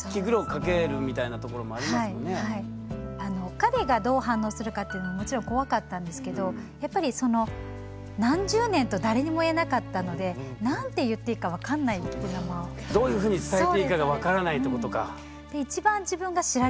彼がどう反応するかっていうのももちろん怖かったんですけどやっぱりその何十年と誰にも言えなかったのでどういうふうに伝えていいかが分からないってことか。